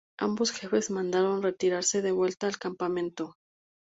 Ambos jefes mandaron retirarse de vuelta al campamento.